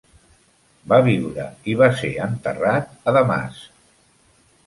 Va viure i va ser enterrat a Damasc.